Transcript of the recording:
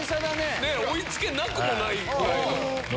追いつけなくもないぐらいの。